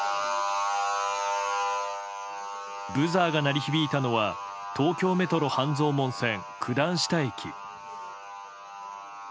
ブザーが鳴り響いたのは東京メトロ半蔵門線九段下駅。